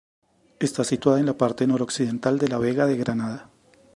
Está situada en la parte noroccidental de la Vega de Granada.